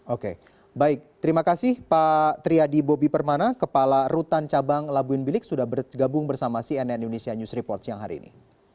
oke baik terima kasih pak triadi bobi permana kepala rutan cabang labuin bilik sudah bergabung bersama cnn indonesia news report siang hari ini